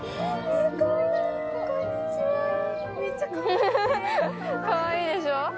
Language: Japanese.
フフフっかわいいでしょ。